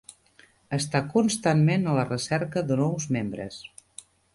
Està constantment a la recerca de nous membres.